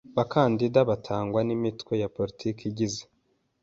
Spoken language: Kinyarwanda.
bakandida batangwa n Imitwe ya politiki igize